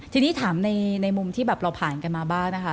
ทีนี้ถามในมุมที่แบบเราผ่านกันมาบ้างนะคะ